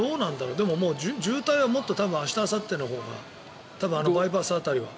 でも渋滞はもっと明日あさってのほうが多分あのバイパス辺りは。